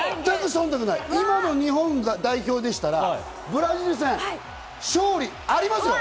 今の日本代表でしたらブラジル戦、勝利ありますよ。